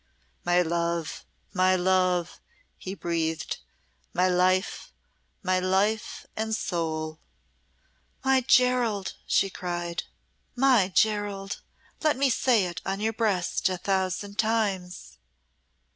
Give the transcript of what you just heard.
"My love! my love!" he breathed. "My life! my life and soul!" "My Gerald!" she cried. "My Gerald let me say it on your breast a thousand times!"